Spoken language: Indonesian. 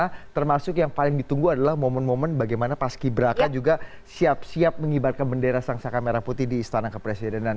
karena termasuk yang paling ditunggu adalah momen momen bagaimana paski braka juga siap siap mengibarkan bendera sang saka merah putih di istana kepresidenan